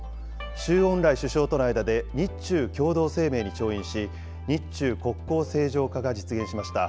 周恩来首相との間で日中共同声明に調印し、日中国交正常化が実現しました。